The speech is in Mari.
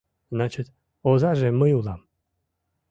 Значит, озаже мый улам!